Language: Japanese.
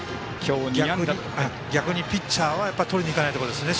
逆にピッチャーはとりにいきたいところですね。